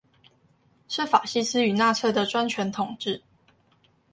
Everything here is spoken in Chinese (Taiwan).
是法西斯與納粹的專權統治